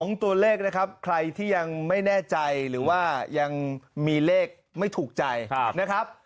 ตัวเลขนะครับใครที่ยังไม่แน่ใจหรือว่ายังมีเลขไม่ถูกใจนะครับ